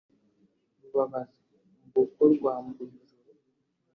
rubabaza-mbuko rwa mbuyijoro,